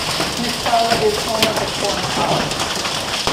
Mitchell is home of the Corn Palace.